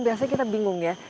biasanya kita bingung ya